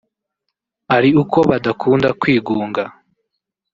ari uko badakunda kwigunga